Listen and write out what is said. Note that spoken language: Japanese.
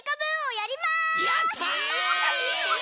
やった！